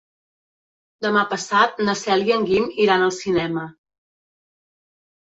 Demà passat na Cel i en Guim iran al cinema.